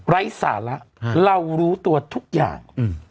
ไร้สาระเรารู้ตัวทุกอย่าง